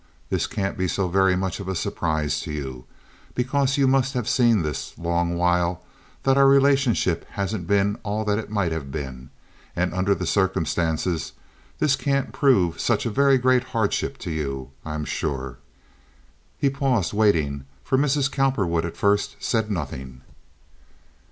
This can't be so very much of a surprise to you, because you must have seen this long while that our relationship hasn't been all that it might have been, and under the circumstances this can't prove such a very great hardship to you—I am sure." He paused, waiting, for Mrs. Cowperwood at first said nothing.